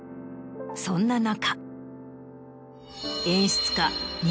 そんな中。